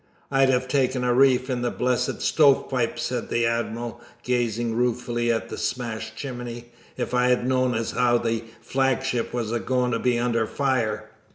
"I'd have taken a reef in the blessed stove pipe," said the Admiral, gazing ruefully at the smashed chimney, "if I had known as how the Flagship was agoin' to be under fire."